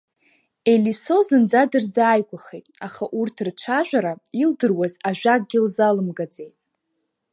Елисо зынӡа дырзааигәахеит, аха урҭ рцәажәара илдыруаз ажәакгьы лзалымгаӡеит.